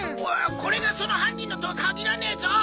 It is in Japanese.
これがその犯人のとは限らねえぞ！